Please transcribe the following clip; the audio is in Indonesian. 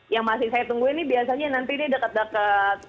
yang masih saya tunggu ini biasanya nanti deket deket